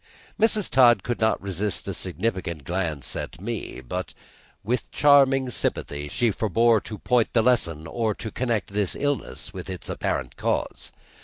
Mrs. Todd could not resist a significant glance at me, but, with charming sympathy, she forbore to point the lesson or to connect this illness with its apparent cause.